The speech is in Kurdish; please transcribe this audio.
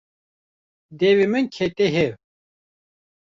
Devê min kete hev.